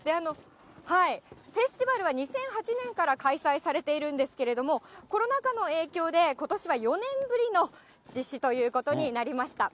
フェスティバルは２００８年から開催されているんですけれども、コロナ禍の影響で、ことしは４年ぶりの実施ということになりました。